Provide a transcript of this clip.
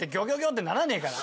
ってならねえから。